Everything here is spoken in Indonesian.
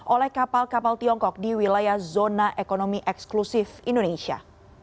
oleh kapal kapal tiongkok di wilayah zona ekonomi eksklusif indonesia